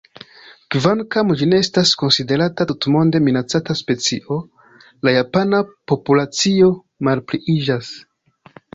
Kvankam ĝi ne estas konsiderata tutmonde minacata specio, la japana populacio malpliiĝas.